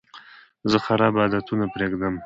زه خراب عادتونه پرېږدم.